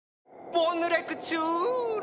ボンヌ・レクチュール！